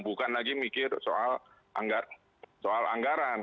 bukan lagi mikir soal anggaran